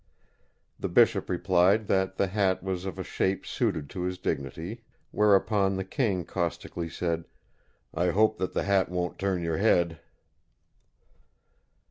The bishop replied that the hat was of a shape suited to his dignity, whereupon the King caustically said, "I hope that the hat won't turn your head."